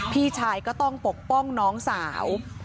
พี่ชายก็ต้องปกป้องน้องสาว